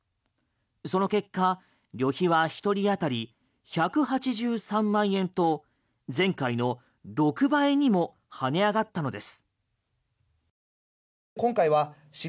その結果、旅費は１人当たり１８３万円と前回の６倍にも跳ね上がったのです。